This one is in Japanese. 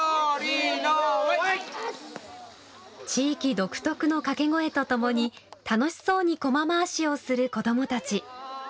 地域独特の掛け声とともに楽しそうにこま回しをする子どもたち。